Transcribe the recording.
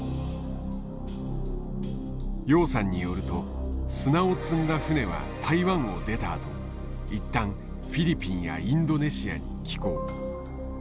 楊さんによると砂を積んだ船は台湾を出たあと一旦フィリピンやインドネシアに寄港。